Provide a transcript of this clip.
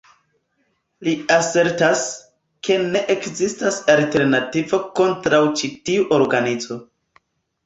Li asertas, ke ne ekzistas alternativo kontraŭ ĉi tiu organizo.